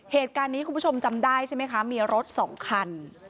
เหตุการณ์นี้คุณผู้ชมจำได้ใช่ไหมคะมีรถสองคัน